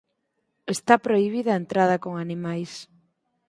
Está prohibida a entrada con animais.